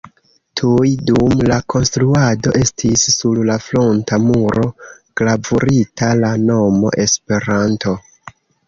Tuj dum la konstruado estis sur la fronta muro gravurita la nomo Esperanto.